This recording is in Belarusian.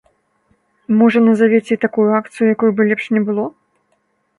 Можа назавеце і такую акцыю, якой бы лепш не было?